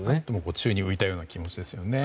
宙に浮いたような気持ちですよね。